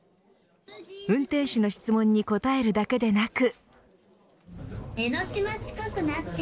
運転手の質問に答えるだけでなく。